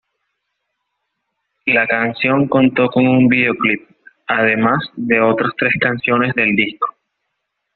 La canción contó con un videoclip, además de otras tres canciones del disco.